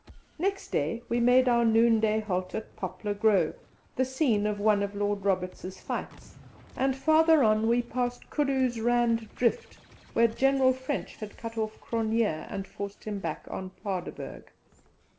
Next day we made our noonday halt at Poplar Grove, the scene of one of Lord Roberts's fights, and farther on we passed Koodoos Rand Drift, where General French had cut off Cronje and forced him back on Paardeberg.